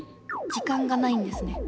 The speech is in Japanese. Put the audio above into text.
時間がないんですね。